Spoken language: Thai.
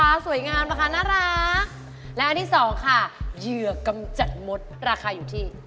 เอาล่ะและอันสุดท้าย